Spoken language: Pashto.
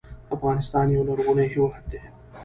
افغانستان یو لرغونی هېواد دی